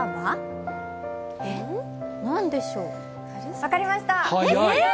分かりました。